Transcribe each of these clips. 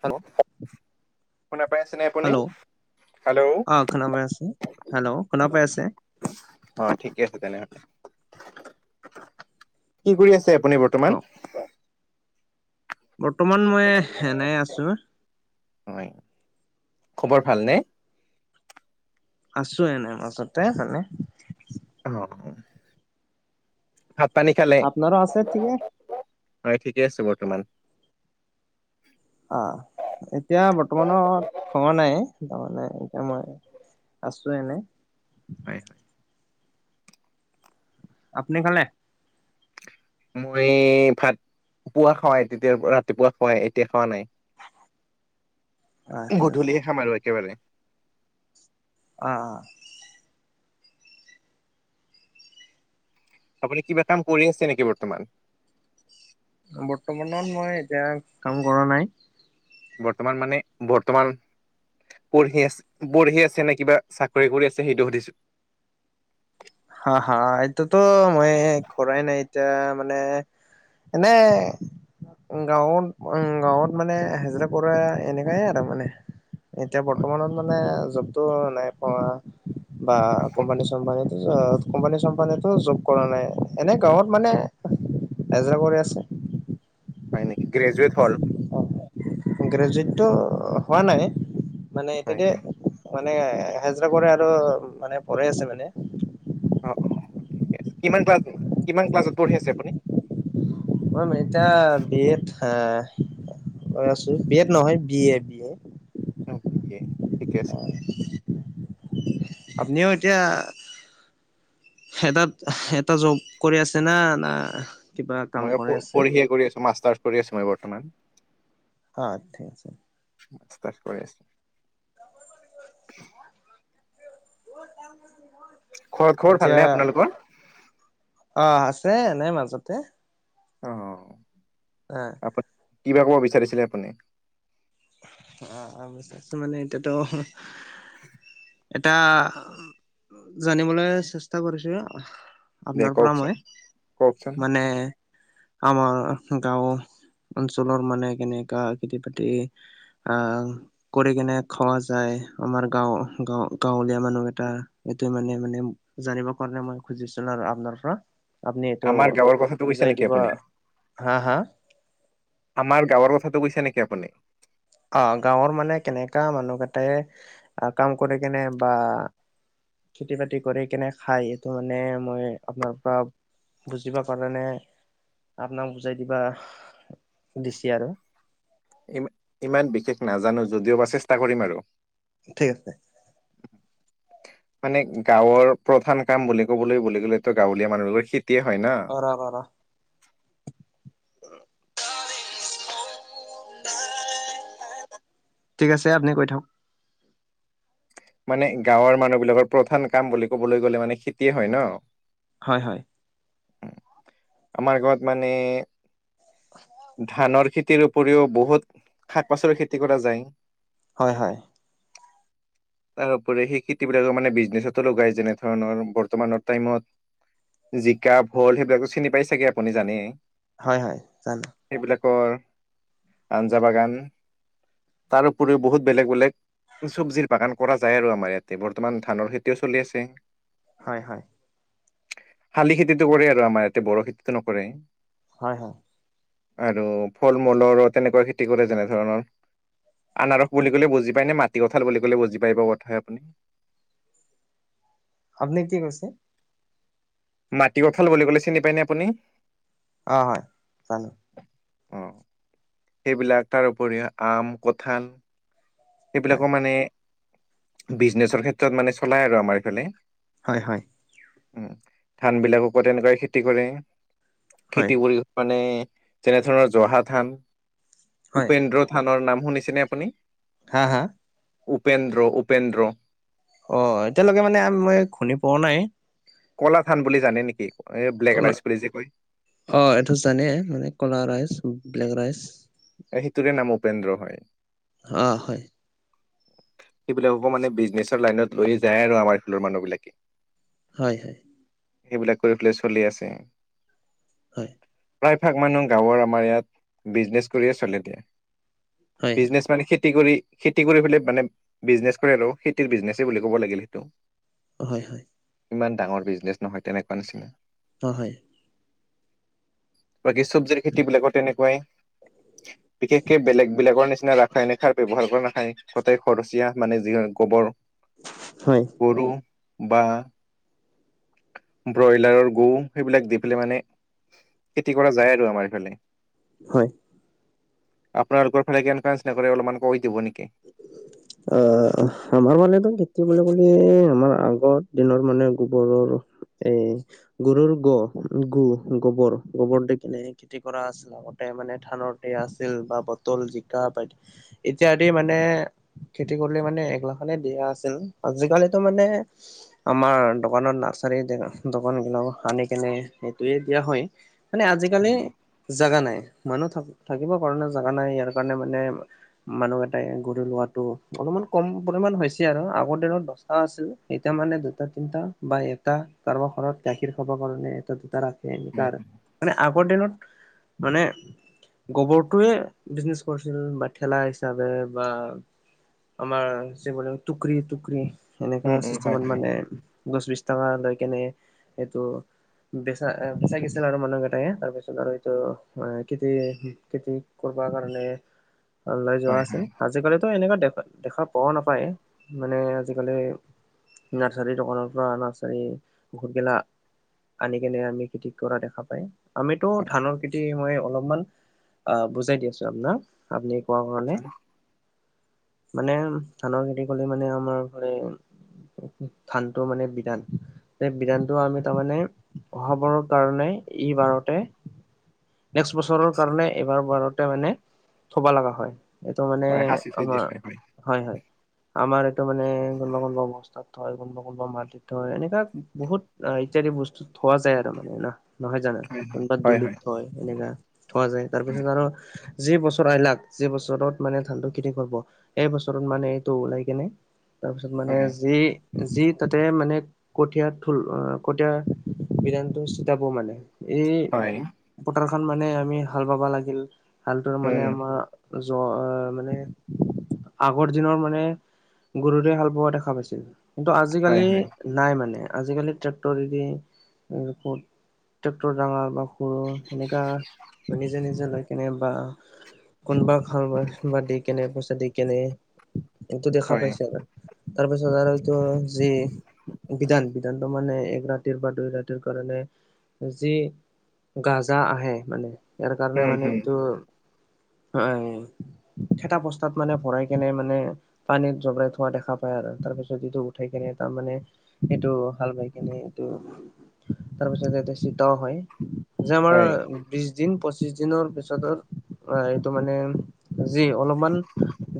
Hello শুনা পাই আছেনে আপুনি? হেল্ল', হেল্ল' অ খনা পাই আছে? হেল্ল শুনা পাই আছে? অ ঠিকে আছে তেনেহলে, কি কৰি আছে আপুনি বৰ বৰ্তমান? কওক বৰ্তমান মই এনেই আছো। হয়, খবৰ ভালনে? আছো এনেই মাজতে ভালে। অ, অ। ভাত পানী খালে? আপোনাৰো আছে ঠিকে [unintelligible] হয় ঠিকে আছে বৰ্তমান। অ, এতিয়া বৰ্তমানৰ খোৱা নাই। তাৰমানে এতিয়া মই আছো এনে। হয়। আপুনি খালে? মই ভাত পুৱা খুৱায়, তেতিয়াৰ পৰা ৰাতিপুৱা খুৱাই এতিয়া খোৱা নাই। অ ঠিক আছে গধূলিয়ে খাম আৰু একেবাৰে। অ, অ। আপুনি কিবা কাম কৰি আছে নেকি বৰ্তমান? বৰ্তমানত মই এতিয়া কাম কৰা নাই। বৰ্তমান মানে বৰ্তমান পঢ়ি আছে পঢ়ি আছে নে কিবা চাকৰি কৰি আছে সেইটো সুধিছো? হা, হা। এটোতো মই কৰাই নাই এতিয়া মানে এনে গাঁৱত উম গাঁৱত মানে এ হেজৰা কৰা এনেকাই আৰু মানে। এতিয়া বৰ্তমানত মানে জবটো নাই পোৱা বা কম্পানী- চম্পানীত আ কোম্পানী-চম্পানীটো জব কৰা নাই। এনে গাঁৱত মানে এজৰা কৰি আছে। হয় নেকি গ্ৰেজুৱেট হল। অ, অ। গ্ৰেজুৱেটটো হোৱা নাই। মানে হয়, এতিয়াতে মানে হাজৰা কৰে আৰু মানে পঢ়ে আছে মানে। অ ঠিকে আছে, কিমান ক্লাছ কিমান ক্লাছত পঢ়ি আছে আপুনি? মই এতিয়া বি এড আ কৈ আছোঁ, বি এড নহয় B A B A. Okay ঠিকে আছে। আপুনিও এতিয়া হেটাত এটা জব কৰি আছে না না কিবা কাম মই কৰি আছে পঢ়িয়ে কৰি আছো, মাষ্টাৰ্ছ কৰি আছো মই বৰ্তমান। অ ঠিক আছে। মাষ্টাৰ্ছ কৰি আছ- ঘৰত খবৰ এতিয়া ভালনে আপোনালোকৰ অ আছে এনেই মাজতে। অ এ কিবা ক'ব বিচাৰিছিলে আপুনি? অ অ বিচাৰিছোঁ মানে এত ত [inaudible] এটা জানিবলৈ চেষ্টা কৰিছোঁ দে আপোনাৰ পৰা কওকচোন মই কওকচোন মানে আমাৰ গাঁও অঞ্চলৰ মানে কেনেকা খেতি বাতি আ কৰি কেনে খৱা যায় আমাৰ গাঁও গাওঁ গাঁৱলীয়া মানুহ কেইটা এইটো মানে মানে জানিবৰ কাৰণে মই খুজিছো আৰু আপনাৰ পৰা। আপুনি এইটো আমাৰ গাঁৱৰ কথাটো কৈছে উজাই নেকি দিব, আপুনি হা হা। আমাৰ গাঁৱৰ কথাটো কৈছো নেকি আপুনি? অ গাঁৱৰ মানে কেনেকা মানুহ কেইটাই আহ কাম কৰি কেনে বা খেতি বাতি কৰি কেনে খায় এইটো মানে মই আপোনাৰ পৰা বুজিব কাৰণে আপোনাক বুজাই দিবা দিছে আৰু ই ইমান বিশেষ নাজানো যদিও বা চেষ্টা কৰিম আৰু। ঠিক আছে। মানে গাঁৱৰ প্ৰধান কাম বুলি ক'বলৈ বুলি ক'লেতো গাঁৱলীয়া মানুহবিলাকৰ খেতিয়ে হয় ন। অ ৰ ৰ [inaudible] ঠিক আছে আপুনি কৈ থাক। মানে গাঁৱৰ মানুহ বিলাকৰ প্ৰধান কাম বুলি ক'বলৈ গ'লে মানে খেতিয়ে হয় ন। হয় হয়। আমাৰ গাঁৱত মানে ধানৰ খেত- খেতিৰ উপৰিও বহুত শাক পাচলিৰ খেতি কৰা যায়। হয় হয়। তাৰো উপৰি সেই খেতিবিলাকৰ মানে বিজনেচতো লগায় যেনে ধৰণৰ বৰ্তমানৰ টাইমত জিকা ভোল সেইবিলাকো চিনি পাই চাগে আপুনি জানেই। হয় হয় জানো। সেইবিলাকৰ আঞ্জা বাগান তাৰ উপৰিও বহুত বেলেগ বেলেগ চব্জিৰ বাগান কৰা যায় আৰু আমাৰ ইয়াতে, বৰ্তমান ধানৰ খেতিও চলি আছে। হয় হয়। শালি খেতিটো কৰে আৰু আমাৰ ইয়াতে, বড়ো খেতিটো নকৰে। হয় হয়। আৰু ফল মূলৰো তেনেকুৱা খেতি কৰে যেনে ধৰণৰ। আনাৰস বুলি ক'লে বুজি পায় নে মাটি কঁঠাল বুলি ক'লে বুজি পাই বা কথাই আপুনি? আপুনি কি কৈছে? মাটিকঁঠাল বুলি ক'লে চিনি পায়নে আপুনি? অ', হয়', জানোঁ', অ', সেইবিলাক তাৰ উপৰিও আম, কঁঠাল', হয়। সেইবিলাকো মানে বিজনেচৰ ক্ষেত্ৰত মানে চলাই আৰু আমাৰ ইফালে', হয়', হয়', উম', ধান বিলাককো আকৌ তেনেকুৱাই খেতি কৰে, হয় খেতি কৰি', মানে যেনে ধৰা, জহা ধান, হয় উপেন্দ্ৰ ধানৰ নাম শুনিছেনে আপুনি? হা', হা',? উপেন্দ্ৰ- উপেন্দ্ৰ', অ', এতিয়ালৈকে মানে মই শুনি পোৱা নাই', ক'লা ধান বুলি জানে নেকি, এ ব্লেক কলা ৰাইচ বুলি যে কয়', অ', এইটো জানে মানে ক'লা ৰাইচ ব্লেক ৰাইচ', সিটোৰে নাম উপেন্দ্ৰ হয়', অ', হয়', সেইবিলাকো মানে বিজনেচৰ লাইনত লৈয়ে যায় আৰু আমাৰ ফালৰ মানুহ বিলাকে', হয়', - হয়', সেইবিলাক কৰি পেলাই চলি আছে', হয়', প্ৰায়ভাগ মানুহ গাঁৱৰ আমাৰ ইয়াত বিজনেচ কৰিয়ে চলে এতিয়া', হয় হয় হয় বিজনেচ', মানে, খেতি কৰি খেতি কৰি পেলাই মানে', বিজনেচ কৰে আৰু খেতিৰ বিজনেচে বুলি ক'ব লাগিল সেইটো', হয়', হয়', ইমান ডাঙৰ বিজনেচ নহয় তেনেকুৱা নিচিনা', হুম', হুম', বাকী চব্জিৰ খেতি বিলাকো তেনেকুৱাই', বিশেষকে বেলেগ বেলেগৰ নিচিনা ৰাসায়নিক সাৰ ব্যৱহাৰ কৰা ৰাসায়নিক', তাতেই খৰচীয়া মানে যি গোবৰ', হয়', কৰোঁ', বা', ব্ৰইলাৰৰ গু সেইবিলাক দি পেলাই মানে', খেতি কৰা যায় আৰু আমাৰ এইফালে', হয়', আপোনালোকৰ ফালে কেনকা স্প্ৰে কৰে অলপমান কৈ দিব নেকি? অ', আমাৰ মানেটো খেতি বুলি ক'লে আমাৰ আগৰ দিনৰ মানে গোবৰৰ', এ', গৰুৰ গ', - গু', - গোবৰ, গোবৰ দি কেনে', খেতি কৰা আছিল, আগতে মানে ধানতে আছিল বা পটল, জিকা পাই এতিয়া', এতিয়া মানে খেতি কৰিলে মানে এক লাখলৈ দিয়া আছিল', আজিকালিতো মানে', আমাৰ দোকানত নাৰ্চাৰী দোকানবিলাক আনি কেনে সেইটোৱে দিয়া হয়', মানে আজিকালি জাগা নাই, মানুহ থা', -থাকিবৰ কাৰণে জোগা নাই ইয়াৰ কাৰণে মানে', মানুহত', এই, গৰু লোৱাটো, অলপমান কম পৰিমাণ হৈছে আৰু আগৰ দিনত দহটা আছিল, এতিয়া মানে দুটা তিনিটা', বা এটা কাৰোবাৰ ঘৰত গাখীৰ খাবৰ কাৰণে এটা দুটা ৰাখে এনকা আৰু', মানে আগৰ দিনত মানে', গোবৰটোয়ে বিজনেচ কৰিছিলোঁ বা ঠেলা হিচাপে', বা আমাৰ যে বুলি টুকৰি টুকৰি', এনেকা উম উম হয় চিষ্টেমত হয় মানে দহ বিশ টকা লৈ কেনে এইটো', বেচা অ', বেচাগিছিল আৰু মানুহ কেটায়ে, তাৰ পিছত আৰু এইটো খেতি, - খেতি', কৰিবাৰ কাৰণে', [inaudible] লৈ যোৱা হয় আছিল, হয় আজিকালিতো এনেকে দেখ, - দেখা পোৱাও নাপায় মানে আজিকালি', নাৰ্চাৰীৰ দোকানৰ পৰা অ, নাৰ্চাৰী ঔষধ গেলা আনি কেনে আমি খেতি কৰা দেখা পায়। আমিতো ধানৰ খেতি মই অলপমান অ, বুজাই দি আছো আপোনাক, আপুনি কোৱা কাৰণে। মানে ধানৰ খেতি কৰিলে মানে আমাৰ ফালে ধানটো মানে বিধান যে বিধানটো আমি তাৰমানে হ'বৰ কাৰনে এই বাৰতে নেক্স বছৰৰ কাৰণে, এবাৰ বাৰতে মানে থব লগা হয়। ত মানে হয় সাঁচি থৈ দিয়া আমাৰ হয় হয় হয়-হয়। আমাৰ এইটো মানে কোনোবা-কোনোবা বস্তাত থই, কোনোবা-কোনোবা মাটিত। থয়। এনেকা বহুত ইত্যাদি বস্তু থোৱা যায় আৰু মানে ন। নহয় জানো? কোনোবা হয় দুলিত হয় থই, এনেকা থোৱা যায় তাৰপিছত আৰু যি বছৰ আইলাক, যি বছৰত মানে ধানটো খেতি কৰিব, সেই বছৰত মানে এইটো ওলাই কেনে তাৰপিছত মানে হয় যি যি তাতে মানে কঠীয়া থল, কঠীয়াৰ বিধানটো চিতাব মানে এই হয় হয় পথাৰখন মানে আমি হাল বাবা লাগিল, হালটোৰ মানে উম আমাৰ জ্বৰ। আহ মানে, আগৰ দিনৰ মানে গৰুটোৱে হাল বোৱা দেখা পাইছিল। কিন্তু হয় আজিকালি হয় নাই মানে, আজিকালি ট্ৰেক্টৰে দি ট্ৰেক্টৰ ডাঙৰ বা সৰু সেনেকা নিজে-নিজে লৈ কেনে বা কোনবা হাল বোৱাই বা দি কেনে, পইচা দি কেনে, এইটো দেখা হয় পাইছে না তাৰপিছত আৰু এইটো যি বিধান, বিধানটো মানে এক ৰাতিৰ বা দুই ৰাতিৰ কাৰণে যি গাজা আহে, মানে ইয়াৰ কাৰণে উম মানে হুম এইটো এ এইকেইটা বস্তাত মানে, ভৰাই কেনে মানে পানীত জবৰাই থোৱা দেখা পায় আৰু তাৰ পিছত যিটো উঠাই কেনে তাৰ মানে এইটো হাল বাই কিনে, এইটো তাৰপিছত এটা চিতাও হয়। যে আমাৰ হয় বিশ দিন, পঁচিশ দিনৰ পিছতো এইটো মানে যি অলপমান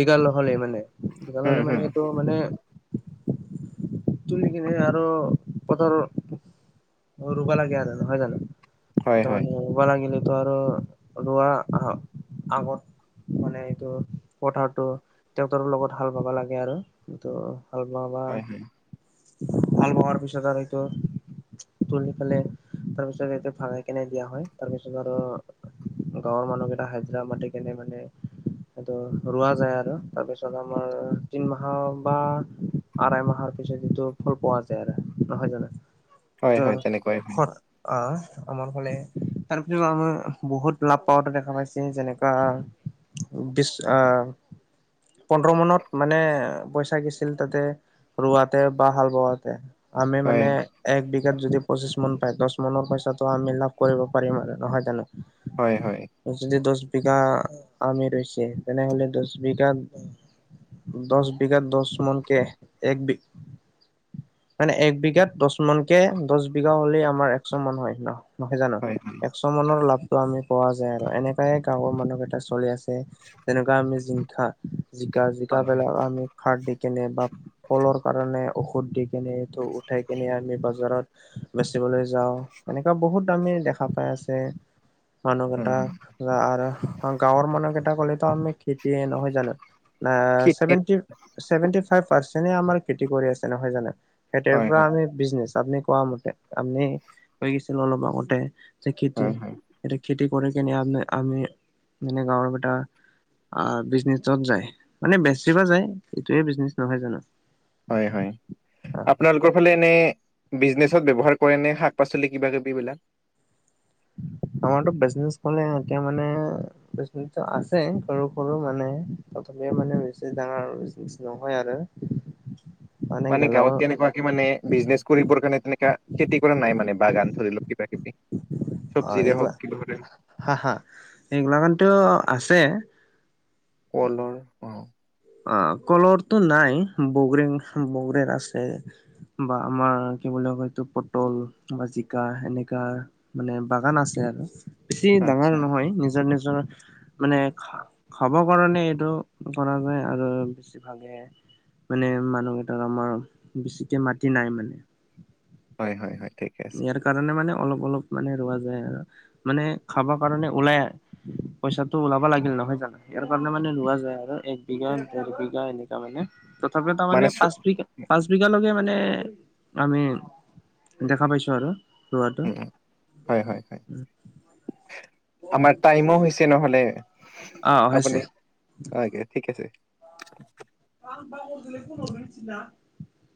দীঘল হ'লে মানে, দীঘল উম হ'লে মানে হুম এইটো মানে [inaudible] তুলি কিনে আৰু পথাৰৰ অ, ৰুবা লাগে আৰু। নহয় জানো? হয় তাৰ হয় মানে ৰুবা লাগিলেতো আৰু ৰোৱা আগত মানে এইটো পথাৰতো, ট্ৰেক্টৰৰ লগত হাল বাবা লাগে আৰু এইটো হাল বোৱা বা, হয় হয় হাল বোৱাৰ পিছত আৰু এইটো তুলি ফালে তাৰপিছত এইটো ভাগাই কেনে দিয়া হয়। তাৰপিছত আৰু গাঁৱৰ মানুহকেইটা হাজিৰা মাতি কেনে মানে সেইটো ৰোৱা যায় আৰু তাৰপিছত আমাৰ তিন মাহৰ বা আঢ়াই মাহৰ পিছত, এইটো ফল পোৱা যায় আৰু। নহয় জানো? [inaudible] এইটো তেনেকুৱাই হয়। খৰত আহ [unintelligible] আমাৰ ফালে, তাৰপিছত আমাৰ বহুত লাভ পাৱওতে দেখা পাইছে যেনেকুৱা [unintelligible] বিশ আহ, পোন্ধৰ মানত মানে পইচা গিছিল তাতে। ৰোৱাতে বা হাল বোৱাতে। আমি হয়, মানে এক বিঘাত যদি পঁচিশ মান পায়, দশ মানৰ পইচাটো আমি লাভ কৰিব পাৰিম আৰু নহয় জানো। হয়-হয়। যদি দশ বিঘা আমি ৰৈছে, তেনেহলে দশ বিঘাত দশ বিঘাত দশ মান কে, এক বিঘ মানে এক বিঘাত দশ মানকে, দশ বিঘা হ'লে আমাৰ এশ মান হয় ন? নহয় জানো, হয়, হয়। এশ মোনৰ লাভটো আমি পোৱা যায় আৰু এনেকাই গাঁৱৰ মানুহ কেইটা- চলি আছে যেনেকুৱা আমি জিংকা জিকা জিকা হয়। বিলাক আমি- সাৰ দি কেনে বা ফলৰ কাৰণে ঔষধ দি কেনে, এইটো উঠাই কেনে আমি বজাৰত বেচিবলৈ যাওঁ, এনেকুৱা বহুত দামি দেখা পাই আছে। মানুহকেইটা উম, আৰু গাঁৱৰ মানুহকেইটা ক'লেতো আমি খেতিয়ে নহয় জানো। আ কি চেভেন্তি চেভেন্তি ফাইভ পাৰচেনে আমাৰ খেতি কৰি আছে, নহয় জানো? খেতিৰ হয়, পৰা হয়, আমি বিজনেচ আপুনি কোৱা মতে আপনি কৈ গৈছিল অলপ আগতে। যে খেতি হয়, হয়, এয়া খেতি কৰি কেনে আম আমি মানে গাঁৱৰ কেইটা আহ বিজনেছত যায়, মানে বেছিব যায় এইটোয়ে বিজনেছ নহয় জানো। হয় হয় আপোনাৰ- লোকৰ ফালে এনে বিজনেছত ব্যৱহাৰ কৰে নে শাক পাচলি কিবা কিবি বিলাক- আমাৰতো বিজনেছ মানে এতিয়া মানে- আছে সৰু সৰু মানে প্ৰথমে মানে বেছি ডাঙৰ নহয় আৰু। মানে গাঁৱত কেনেকুৱা- মানে বিজনেছ কৰিবৰ কাৰণে তেনেকা খেতি কৰা নাই মানে বাগান ধৰি লওক কিবা কিবি। অ চব্জিৰে হওক এইগিলা কিবাৰে হা হা এইগিলামানতেও আছে। কলৰ অ অ কলৰটো নাই বগৰিৰ বগৰিৰ আছে। বা আমাৰ কি বুলি কয় এইটো পটল বা জিকা এনেকা- মানে বাগান আছে আৰু বেছি ডাঙৰ আচ্ছা, নহয় নিজৰ নিজৰ- জৰ মানে খাব কাৰণে এইটো কৰা যায়। আৰু বেছিভাগে মানে মানুহ কেইটাৰ আমাৰ বেছিকে মাটি নাই মানে। হয় হয় হয় ঠিকে আছে। ইয়াৰ কাৰণে মানে অলপ অলপ মানে ৰোৱা যায় আৰু মানে খাব কাৰণে ওলাই। পইচাটো ওলাব লাগিল নহয় জানো ইয়াৰ কাৰণে মানে লোৱা যায় আৰু এক বিঘা দেৰ বিঘা এনে। তাৰ মানে তথাপি তাৰমানে মানে চ পাঁচ বিঘা পাঁচ বিঘালৈকে মানে আমি- দেখা পাইছোঁ আৰু ৰোৱাটো। উম, হয় হয় হয়। আমাৰ টাইমো হৈছে নহলে অ হৈছে আপুনি- হয় একে ঠিক আছে। [unintelligible]